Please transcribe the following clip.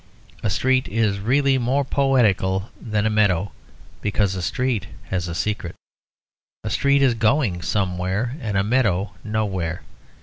A street is really more poetical than a meadow, because a street has a secret. A street is going somewhere, and a meadow nowhere.